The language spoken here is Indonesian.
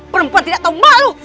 perempuan tidak tahu malu